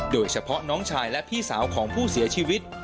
โดยเฉพาะน้องชายและพี่สาวของผู้เสียชีวิต